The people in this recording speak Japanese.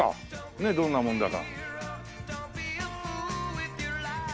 ねえどんなもんだか。